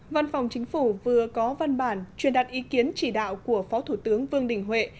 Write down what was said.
văn phòng chính phủ vừa có văn bản truyền đặt ý kiến chỉ đạo của phó thủ tướng vương đình huệ